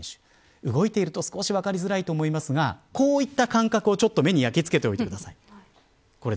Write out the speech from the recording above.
動いていると少し分かりづらいと思いますがこういった間隔を目に焼き付けておいてください。